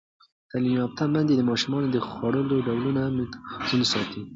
تعلیم یافته میندې د ماشومانو د خوړو ډولونه متوازن ساتي.